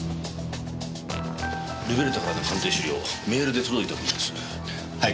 ルベルタからの鑑定資料メールで届いております。